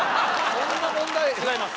そんな問題違います